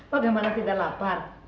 bagaimana tidak lapar